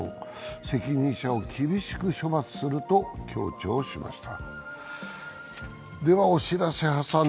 責任者を厳しく処罰すると強調しました。